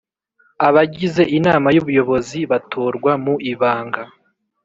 Abagize Inama y ubuyobozi batorwa mu ibanga